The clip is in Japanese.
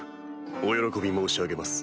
お喜び申し上げます